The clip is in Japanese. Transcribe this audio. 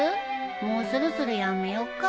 もうそろそろやめようか？